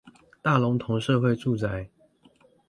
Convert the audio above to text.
大龍峒社會住宅